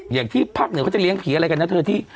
อย่างที่ภาคเหนือเขาจะเลี้ยผีอะไรกันนะเธอที่